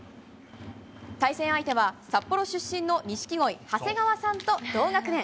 対戦相手は、札幌出身の錦鯉・長谷川さんと同学年。